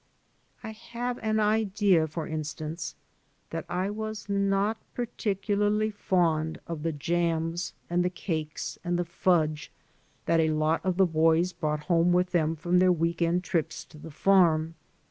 I have an idea, for instance, that I was not par ticularly fond of the jams and the cakes and the fudge that a<lot of the boys brought home with them from their week end trips to the farm.